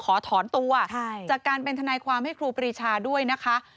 ขอถอนตัวจากการเป็นทนายความให้ครูปรีชาด้วยนะคะ